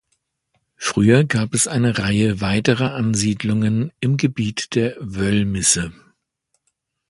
Früher gab es eine Reihe weiterer Ansiedlungen im Gebiet der Wöllmisse.